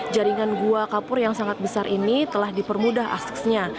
jaringan gua kapur yang sangat besar ini telah dipermudah aksesnya